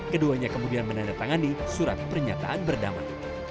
keduanya kemudian menandatangani surat pernyataan berdamai